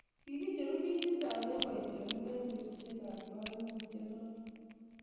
kikicheru bik che chang en boisionik en betusiek ab kaimutik noto